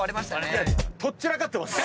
とっ散らかってます。